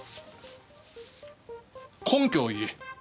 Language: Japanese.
根拠を言え。